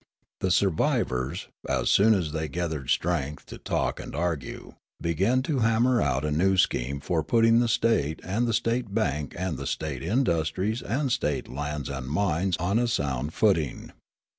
The survivors, as soon as they gathered strength to talk and argue, be gan to hammer out a new scheme for putting the state and the state bank and the state industries and state lands and mines on a sound footing.